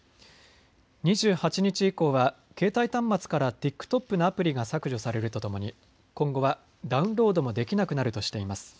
２８日以降は携帯端末からＴｉｋＴｏｋのアプリが削除されるとともに今後はダウンロードもできなくなるとしています。